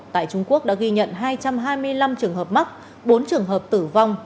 tại trung quốc đã ghi nhận hai trăm hai mươi năm trường hợp mắc bốn trường hợp tử vong